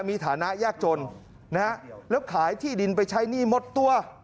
มีฐานะยากจนนะฮะแล้วขายที่ดินไปใช้หนี้หมดตัว